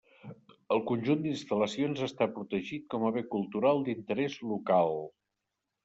El conjunt d'instal·lacions està protegit com a bé cultural d'interès local.